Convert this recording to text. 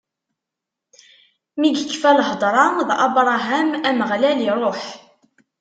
Mi yekfa lhedṛa d Abṛaham, Ameɣlal iṛuḥ.